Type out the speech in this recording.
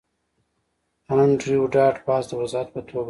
انډریو ډاټ باس د وضاحت په توګه وویل